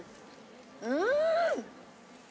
うん！